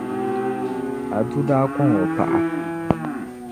Adu daa kɔŋ o paɣa